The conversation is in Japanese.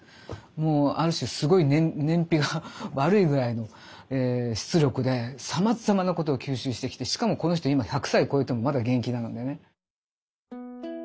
ある種すごい燃費が悪いぐらいの出力でさまざまなことを吸収してきてしかもこの人今１００歳こえてもまだ現役なのでね。